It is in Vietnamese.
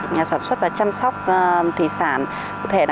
nhà sản xuất và chăm sóc thủy sản